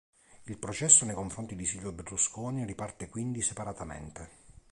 Il processo nei confronti di Silvio Berlusconi riparte quindi separatamente.